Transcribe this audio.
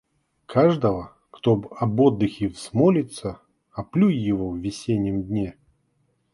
Каждого, кто об отдыхе взмолится, оплюй в его весеннем дне!